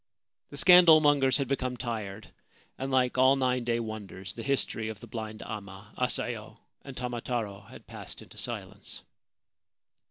The scandal mongers had become tired, and, like all nine day wonders, the history of the blind amma, Asayo, and Tamataro had passed into silence.